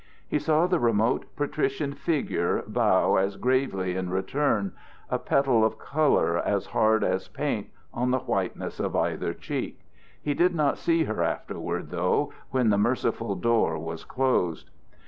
He saw the remote, patrician figure bow as gravely in return, a petal of colour as hard as paint on the whiteness of either cheek. He did not see her afterward, though, when the merciful door was closed.